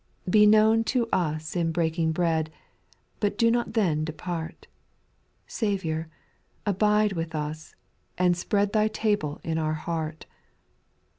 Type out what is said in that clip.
4. Be known to us in breaking bread, But do not then depart, — Saviour, abide with us, and spread Thv table in our heart.